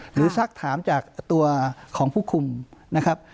สักถามจากตัวของผู้คุมนะครับ